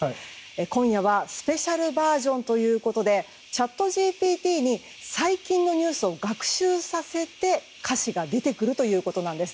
今夜はスペシャルバージョンということでＣｈａｔＧＰＴに最近のニュースを学習させて歌詞が出てくるということなんです。